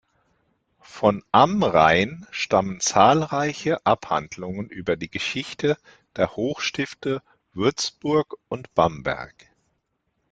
Von Amrhein stammen zahlreiche Abhandlungen über die Geschichte der Hochstifte Würzburg und Bamberg.